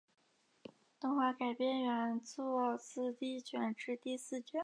动画改编原作自第一卷至第四卷。